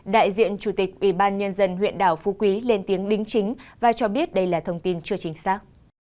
đại diện chủ tịch ủy ban nhân dân huyện đảo phu quý lên tiếng đính chính và cho biết đây là thông tin chưa chính xác